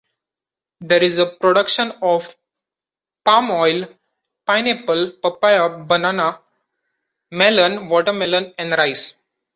There is a production of palm oil, pineapple, papaya, banana, melon, watermelon and rice.